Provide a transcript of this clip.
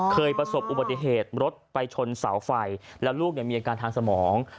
เคยประสบอุบัติเหตุรถไปชนเสาไฟแล้วลูกมีอาการทางสมอง